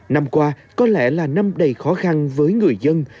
năm qua có lẽ là năm đầy khó khăn với người dân